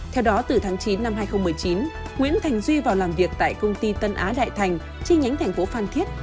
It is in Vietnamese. theo đó từ tháng chín năm hai nghìn một mươi chín nguyễn thành duy vào làm việc tại công ty tân á đại thành chi nhánh thành phố phan thiết